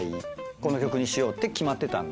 「この曲にしよう」って決まってたんで。